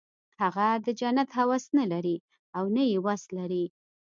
هغه د جنت هوس نه لري او نه یې وس لري